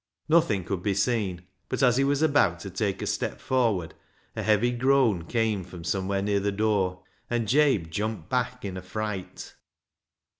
Nothing could be seen, but, as he was about to take a step forward, a heavy groan came from somewhere near the door, and Jabe jumped back in a fright.